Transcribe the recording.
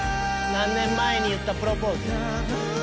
何年前に言ったプロポーズ。